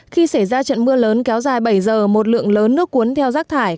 khi xảy ra trận mưa lớn kéo dài bảy giờ một lượng lớn nước cuốn theo rác thải